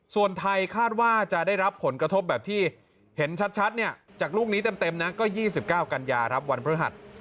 ส่วนไทยคาดว่าจะได้รับผลกระทบแบบที่เห็นชัดเนี่ยจากลูกนี้เต็มนะก็๒๙กันยาครับวันพฤหัส